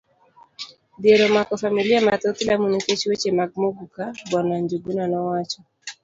Dhier omako familia mathoth Lamu nikech weche mag Muguka, bw. Njuguna nowacho.